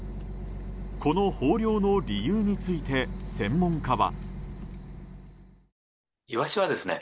この豊漁の理由について専門家は。